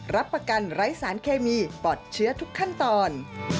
รับประกันไร้สารเคมีปลอดเชื้อทุกขั้นตอน